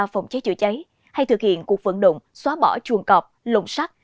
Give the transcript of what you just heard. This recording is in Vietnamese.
phòng cháy chữa cháy hay thực hiện cuộc vận động xóa bỏ chuồng cọp lồng sắt